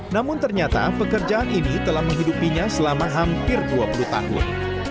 namun ternyata pekerjaan ini telah menghidupinya selama hampir dua puluh tahun